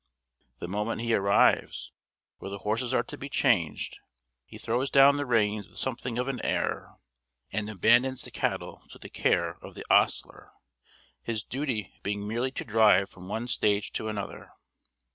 The moment he arrives where the horses are to be changed, he throws down the reins with something of an air, and abandons the cattle to the care of the ostler; his duty being merely to drive from one stage to another.